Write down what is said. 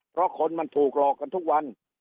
เพราะคนมันถูกหลอกกันทุกวัน